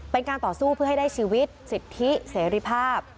เป็นการต่อสู้เพื่อให้ได้ชีวิตสิทธิเสรีภาพ